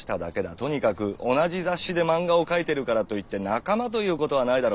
とにかく同じ雑誌で漫画を描いてるからといって仲間ということはないだろ。